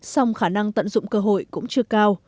song khả năng tận dụng cơ hội cũng chưa cao